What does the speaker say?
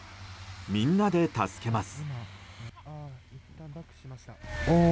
みんなで助けます。